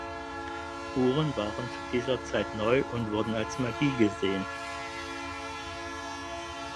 Uhren waren zu dieser Zeit neu und wurden als Magie gesehen.